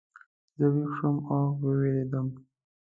زه ویښ شوم او ووېرېدم.